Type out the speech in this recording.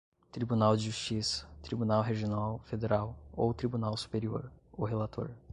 tribunal de justiça, tribunal regional federal ou tribunal superior, o relator: